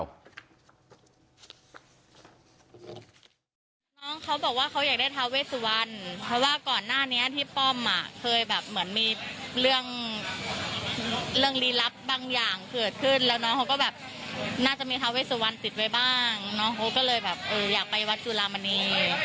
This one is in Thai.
น้องเขาบอกว่าเขาอยากได้ทาเวสวันเพราะว่าก่อนหน้านี้ที่ป้อมอ่ะเคยแบบเหมือนมีเรื่องเรื่องลีลับบางอย่างเกิดขึ้นแล้วน้องเขาก็แบบน่าจะมีทาเวสุวรรณติดไว้บ้างน้องเขาก็เลยแบบเอออยากไปวัดจุลามณี